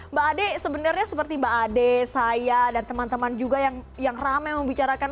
mbak ade sebenarnya seperti mbak ade saya dan teman teman juga yang ramai membicarakan